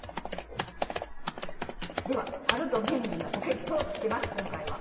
ではあると便利なポケットをつけます今回は。